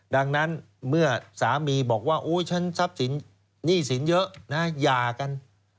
ดังนั้นเมื่อสามีบอกว่าอุ้ยฉันนี่สินเยอะหยากัน